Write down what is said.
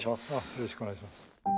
よろしくお願いします。